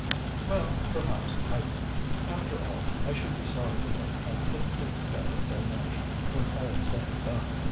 "Well, perhaps I wouldn't! After all, I should be sorry to think I couldn't get the better of Delmege, when all's said and done.